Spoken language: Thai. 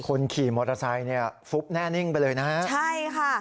คนขี่มอเตอร์ไซค์เนี่ยฟุบแน่นิ่งไปเลยนะฮะใช่ค่ะ